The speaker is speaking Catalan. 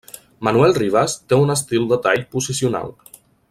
Manuel Rivas té un estil de tall posicional.